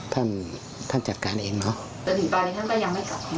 ท่านจัดการเองเนาะ